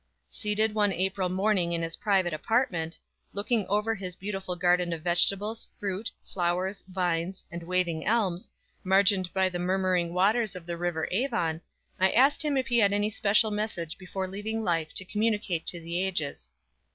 Seated one April morning in his private apartment, looking over his beautiful garden of vegetables, fruit, flowers, vines and waving elms, margined by the murmuring waters of the silver Avon, I asked him if he had any special message before leaving life to communicate to the ages.